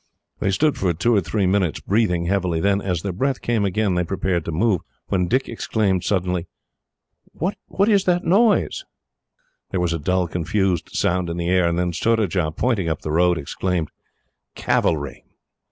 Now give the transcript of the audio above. They stood for two or three minutes, breathing heavily; then, as their breath came again, they prepared to move, when Dick exclaimed suddenly, "What is that noise?" There was a dull, confused sound in the air, and then Surajah, pointing up the road, exclaimed, "Cavalry!"